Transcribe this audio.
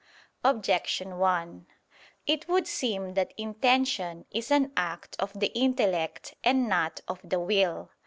Objection 1: It would seem that intention is an act of the intellect, and not of the will.